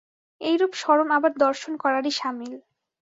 এইরূপ স্মরণ আবার দর্শন করারই সামিল।